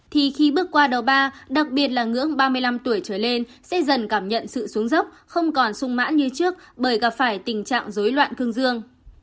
thì khi bước qua đầu ba đặc biệt là ngưỡng ba mươi năm tuổi trở lên sẽ dần cảm nhận sự xuống dốc không còn sung mãn như trước bởi gặp phải tình trạng dối loạn cương dương